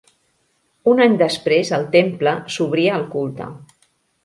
Un any després el temple s'obria al culte.